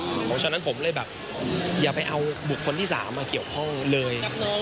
เพราะฉะนั้นผมเลยแบบอย่าไปเอาบุคคลที่๓มาเกี่ยวข้องเลย